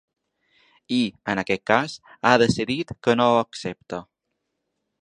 I, en aquest cas, ha decidit que no ho accepta.